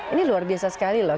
ini luar biasa sekali loh